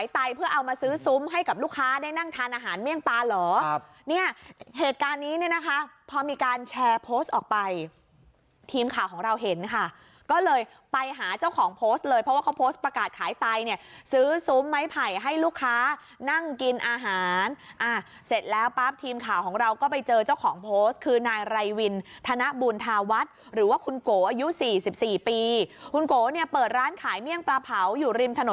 แต่โพสต์ออกไปทีมข่าวของเราเห็นค่ะก็เลยไปหาเจ้าของโพสต์เลยเพราะว่าเขาโพสต์ประกาศขายไตเนี่ยซื้อซุ้มไม้ไผ่ให้ลูกค้านั่งกินอาหารอ่าเสร็จแล้วปั๊บทีมข่าวของเราก็ไปเจอเจ้าของโพสต์คือนายไรวินธนบุญธาวัฒน์หรือว่าคุณโกอายุสี่สิบสี่ปีคุณโกเนี่ยเปิดร้านขายเมี่ยงปลาเผาอยู่ร